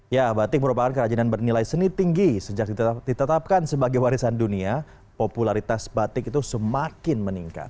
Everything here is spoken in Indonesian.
ya batik merupakan kerajinan bernilai seni tinggi sejak ditetapkan sebagai warisan dunia popularitas batik itu semakin meningkat